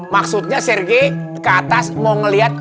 maksudnya sergei ke atas mau ngeliat